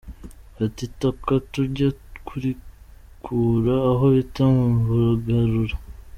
Ati “Itaka tujya kurikura aho bita mu Bugarura.